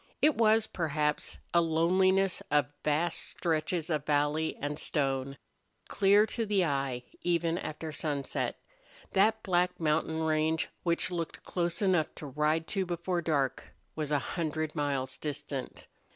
It was, perhaps, a loneliness of vast stretches of valley and stone, clear to the eye, even after sunset. That black mountain range, which looked close enough to ride to before dark, was a hundred miles distant.